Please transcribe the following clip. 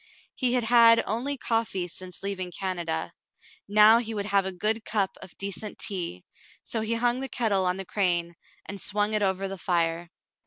He had had only coffee since leaving Canada ; now he would have a good cup of decent tea, so he hung the kettle on the crane and swung it over the fire.